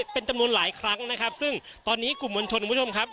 เป็นจำนวนหลายครั้งนะครับซึ่งตอนนี้กลุ่มมวลชนคุณผู้ชมครับ